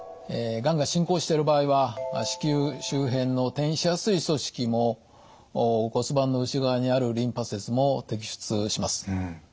がんが進行している場合は子宮周辺の転移しやすい組織も骨盤の内側にあるリンパ節も摘出します。